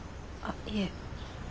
あっいえ。